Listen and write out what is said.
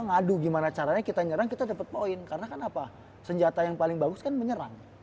ngadu gimana caranya kita nyerang kita dapat poin karena kan apa senjata yang paling bagus kan menyerang